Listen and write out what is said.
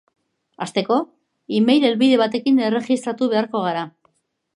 Hasteko, email helbide batekin erregistratu beharko gara.